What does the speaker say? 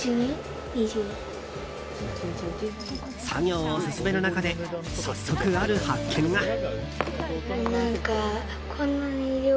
作業を進める中で早速、ある発見が。